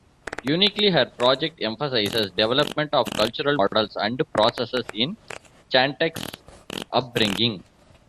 Uniquely, her project emphasizes development of cultural models and processes in Chantek's upbringing.